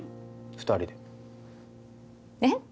二人でえっ？